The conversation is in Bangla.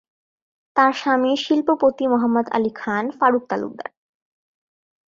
তার স্বামী শিল্পপতি মোহাম্মদ আলী খান ফারুক তালুকদার।